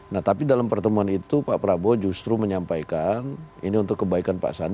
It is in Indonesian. nah tapi dalam pertemuan itu pak prabowo justru menyampaikan ini untuk kebaikan pak sandi